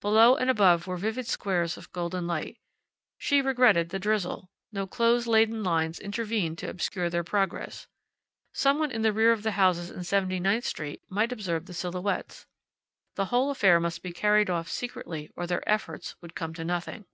Below and above were vivid squares of golden light. She regretted the drizzle; no clothes laden lines intervened to obscure their progress. Someone in the rear of the houses in Seventy ninth Street might observe the silhouettes. The whole affair must be carried off secretly or their efforts would come to nothing.